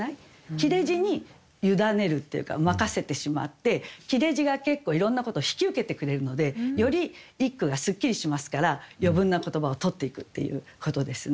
切れ字に委ねるっていうか任せてしまって切れ字が結構いろんなことを引き受けてくれるのでより一句がすっきりしますから余分な言葉を取っていくっていうことですね。